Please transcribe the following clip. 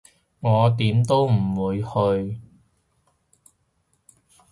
我點都唔會去